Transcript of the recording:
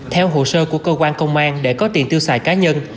theo hồ sơ của cơ quan công an để có tiền tiêu xài cá nhân